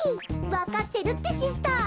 わかってるってシスター。